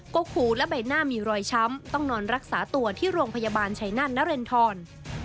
กกหูและใบหน้ามีรอยช้ำต้องนอนรักษาตัวที่โรงพยาบาลชัยนาธนเรนทร